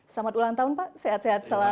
selamat ulang tahun pak sehat sehat selalu